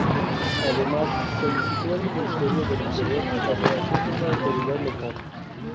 Además, solicitó al Ministerio del Interior la creación de una autoridad local.